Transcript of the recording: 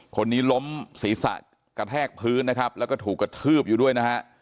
คนนี้ล้มศีรษะกระแทกพื้นนะครับแล้วก็ถูกกระทืบอยู่ด้วยนะฮะ